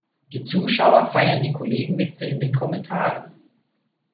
Die Zuschauer feiern die Kollegenwitze in den Kommentaren.